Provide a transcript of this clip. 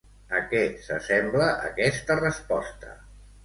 A què s'assembla aquesta resposta?